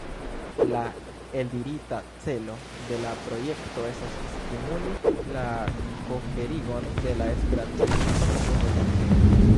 La eldirita celo de la projekto estas "stimuli la koherigon de la esperantlingva komunumo".